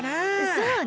そうね。